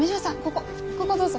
ここどうぞ。